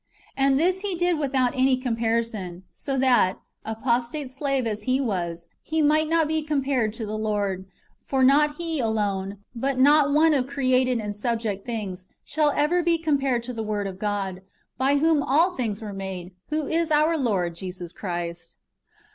And this he did without any comparison, so that, apostate slave as he was, he might not be compared to the Lord : for not he alone, but not one of created and subject things, shall ever be com pared to the Word of God, by whom all things were made, who is our Lord Jesus Christ.